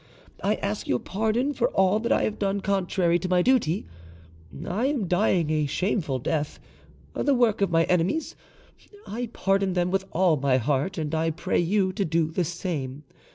I ask your pardon for all that I have done contrary to my duty. I am dying a shameful death, the work of my enemies: I pardon them with all my heart, and I pray you to do the same.